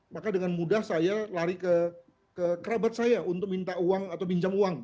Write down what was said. maka dengan mudah saya lari ke kerabat saya untuk minta uang atau pinjam uang